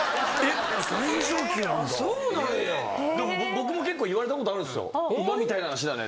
僕も結構言われたことあるんですよ「馬みたいな脚だね」